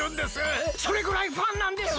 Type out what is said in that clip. それぐらいファンなんです！